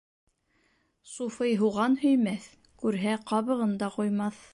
Суфый һуған һөймәҫ, күрһә, ҡабығын да ҡуймаҫ.